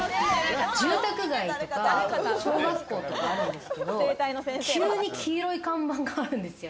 住宅街とか小学校とかあるんですけれども、急に黄色い看板があるんですよ。